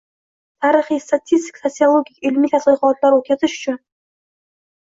Tarixiy, statistik, sotsiologik, ilmiy tadqiqotlar o‘tkazish uchun